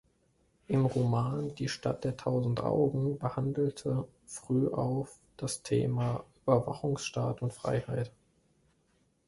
Im Roman "Die Stadt der tausend Augen" behandelte Frühauf das Thema Überwachungsstaat und Freiheit.